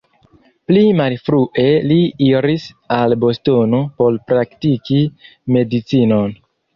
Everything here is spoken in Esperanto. Pli malfrue li iris al Bostono por praktiki medicinon.